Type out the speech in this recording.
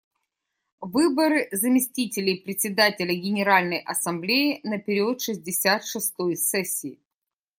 Выборы заместителей Председателя Генеральной Ассамблеи на период шестьдесят шестой сессии.